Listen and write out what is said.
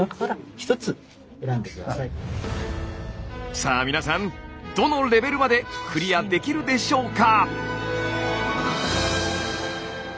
さあ皆さんどのレベルまでクリアできるでしょうか？